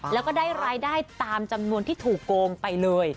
แล้วก็ได้รายได้ตามจำนวนที่ถูกโกงไปเลย